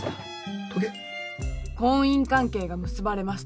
婚姻関係が結ばれました。